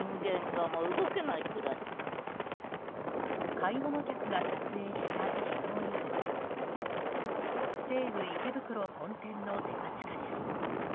買い物客が撮影した昨日夜西武池袋本店のデパ地下です。